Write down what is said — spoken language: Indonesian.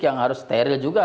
yang harus steril juga